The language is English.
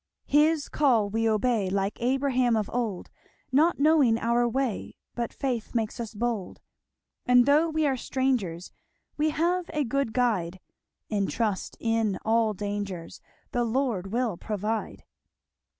"His call we obey, Like Abraham of old, Not knowing our way, But faith makes us bold. And though we are strangers, We have a good guide, And trust in all dangers 'The Lord will provide.'